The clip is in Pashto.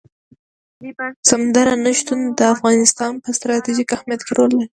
سمندر نه شتون د افغانستان په ستراتیژیک اهمیت کې رول لري.